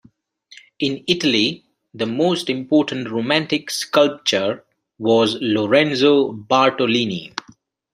In Italy, the most important Romantic sculptor was Lorenzo Bartolini.